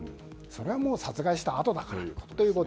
それは殺害したあとだからと。